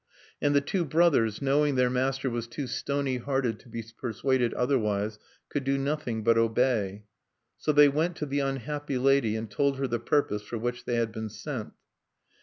And the two brothers, knowing their master was too stony hearted to be persuaded otherwise, could do nothing but obey. So they went to the unhappy lady, and told her the purpose for which they had been sent.